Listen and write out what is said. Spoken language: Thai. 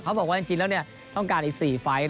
เขาบอกว่าอาจารย์จีนแล้วต้องการอีก๔ไฟต์